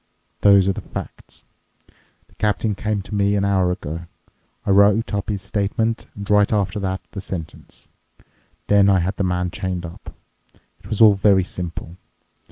Those are the facts. The captain came to me an hour ago. I wrote up his statement and right after that the sentence. Then I had the man chained up. It was all very simple.